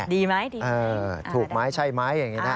ดีไหมถูกไหมใช่ไหม